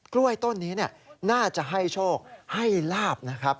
กล้วยต้นนี้น่าจะให้โชคให้ลาบนะครับ